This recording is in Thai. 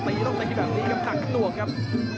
ตีต้องตีแบบนี้ครับทักตัวครับ